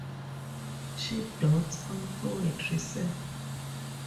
She dotes on poetry, sir.